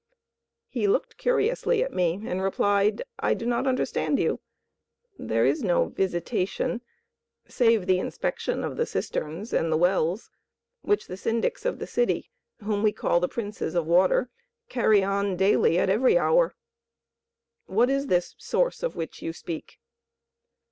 He looked curiously at me and replied: "I do not understand you. There is no visitation save the inspection of the cisterns and the wells which the syndics of the city, whom we call the Princes of Water, carry on daily at every hour. What source is this of which you speak?"